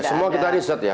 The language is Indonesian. semua kita riset ya